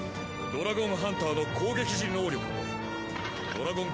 ドラゴンハンターの攻撃時能力だ。